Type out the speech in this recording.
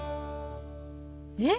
えっ！